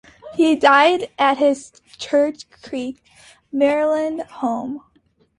He died at his Church Creek, Maryland home.